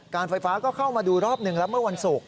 การไฟฟ้าก็เข้ามาดูรอบหนึ่งแล้วเมื่อวันศุกร์